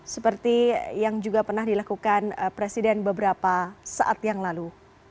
seperti yang juga pernah dilakukan presiden beberapa saat yang lalu